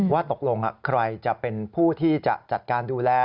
ว่าตกลงใครจะเป็นผู้ที่จะจัดการดูแล